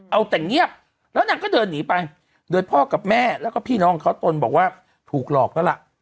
เอาแต่เงียบแล้วนางก็เดินหนีไปโดยพ่อกับแม่แล้วก็พี่น้องเขาตนบอกว่าถูกหลอกแล้วล่ะ